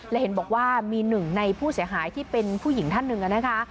และเห็นบอกว่ามีหนึ่งในผู้เสียหายที่เป็นผู้หญิงท่านหนึ่งนะคะ